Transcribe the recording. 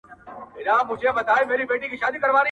د غاړې هار شي اخر